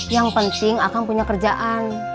yang penting akan punya kerjaan